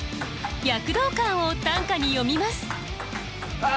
躍動感を短歌に詠みます